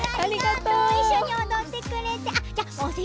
一緒に踊ってくれて。